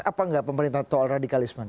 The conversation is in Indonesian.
apa enggak pemerintah soal radikalisme